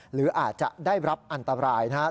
หรืออาจจะได้รับอันตรายนะครับ